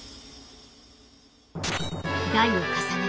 代を重ね